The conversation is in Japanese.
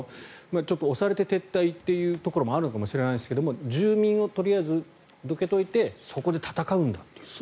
ちょっと押されて撤退というところもあるかもしれませんが住民をとりあえずどけておいてそこで戦うんだという。